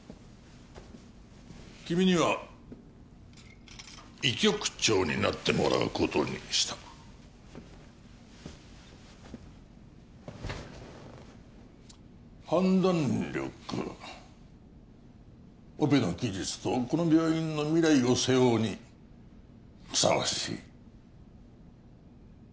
君には医局長になってもらうことにした判断力オペの技術とこの病院の未来を背負うにふさわしい